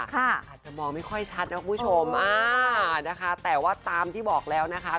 อาจจะมองไม่ค่อยชัดนะคุณผู้ชมอ่านะคะแต่ว่าตามที่บอกแล้วนะคะ